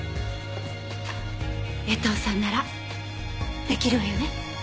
江藤さんなら出来るわよね？